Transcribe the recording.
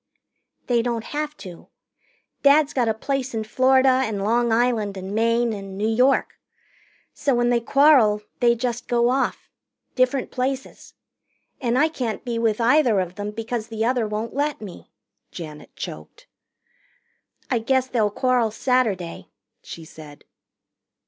"They don't have to. Dad's got a place in Florida and Long Island and Maine and New York. So when they quarrel, they just go off. Different places. And I can't be with either of them because the other won't let me," Janet choked. "I guess they'll quarrel Saturday," she said.